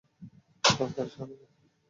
তাড়াতাড়ি সরে যা।